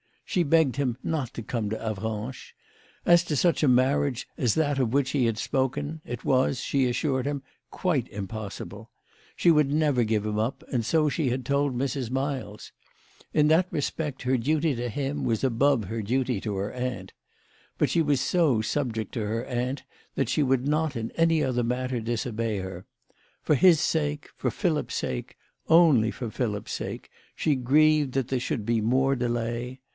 She begged him not to come to Avranches. As to such a marriage as that of which he had spoken, it was, she assured him, quite impossible. She would never give him up, and so she had told Mrs. Miles. In that respect her duty to him was above her duty to her aunt. But she was so sub ject to her aunt that she would not in any other matter disobey her. For his sake for Philip's sake only for Philip's sake, she grieved that there should be more delay.